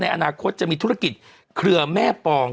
อนาคตจะมีธุรกิจเครือแม่ปอง